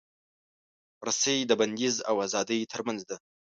رسۍ د بندیز او ازادۍ ترمنځ ده.